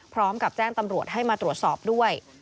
พร้อมกับแจ้งตำรวจให้มาตรวจสอบด้วย